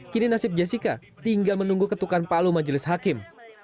kini nasib jessica tinggal menunggu ketukan palu majelis hakim